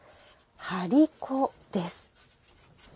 張り子です。